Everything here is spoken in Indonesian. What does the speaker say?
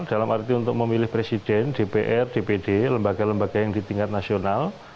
dalam arti untuk memilih presiden dpr dpd lembaga lembaga yang di tingkat nasional